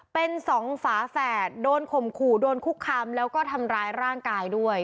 เป็นสองฝาแฝดโดนข่มขู่โดนคุกคามแล้วก็ทำร้ายร่างกายด้วย